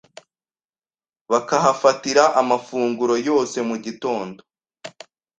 bakahafatira amafunguro yose mu gitondo